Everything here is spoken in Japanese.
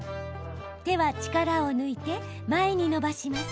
手は力を抜いて前に伸ばします。